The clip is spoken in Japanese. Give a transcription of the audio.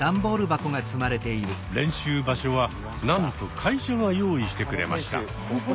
練習場所はなんと会社が用意してくれました。